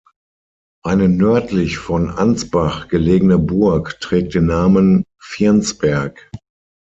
Eine nördlich von Ansbach gelegene Burg trägt den Namen Virnsberg.